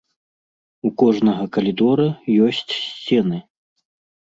У кожнага калідора ёсць сцены.